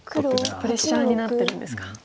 プレッシャーになってるんですか。